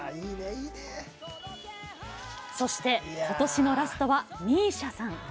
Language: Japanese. そして、今年のラストはＭＩＳＩＡさん。